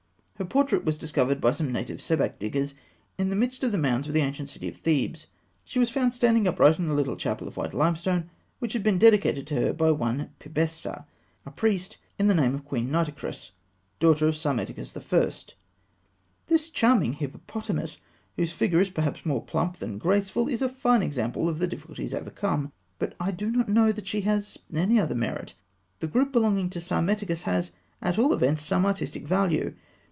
Her portrait was discovered by some native sebakh diggers in the midst of the mounds of the ancient city of Thebes. She was found standing upright in a little chapel of white limestone which had been dedicated to her by one Pibesa, a priest, in the name of Queen Nitocris, daughter of Psammetichus I. This charming hippopotamus, whose figure is perhaps more plump than graceful, is a fine example of difficulties overcome; but I do not know that she has any other merit. The group belonging to Psammetichus has at all events some artistic value.